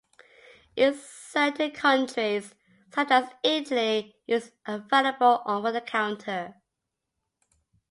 In certain countries, such as Italy, it is available over the counter.